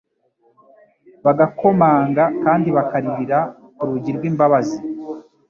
bagakomanga kandi bakaririra ku rugi rw'imbabazi